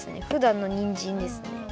ふだんのにんじんですね。